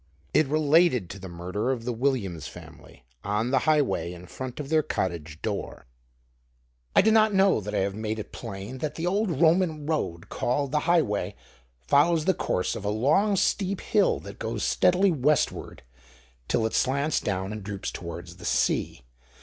It related to the murder of the Williams family on the Highway in front of their cottage door. I do not know that I have made it plain that the old Roman road called the Highway follows the course of a long, steep hill that goes steadily westward till it slants down and droops towards the sea.